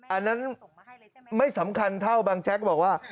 อันนั้นไม่สำคัญเท่าบางแจ๊กบอกว่า